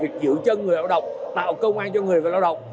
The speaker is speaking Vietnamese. tự chân người lao động tạo công an cho người lao động